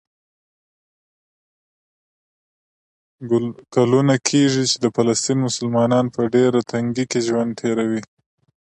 کلونه کېږي چې د فلسطین مسلمانان په ډېره تنګۍ کې ژوند تېروي.